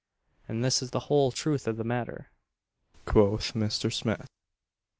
"And this is the whole truth of the matter," quoth Mr. Smith.